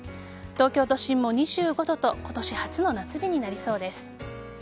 東京都心も２５度と今年初の夏日になりそうです。